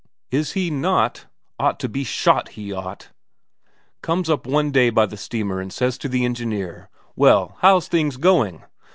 "Is he not? Ought to be shot, he ought! Comes up one day by the steamer and says to the engineer: 'Well, how's things going?'